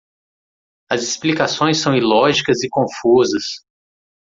As explicações são ilógicas e confusas.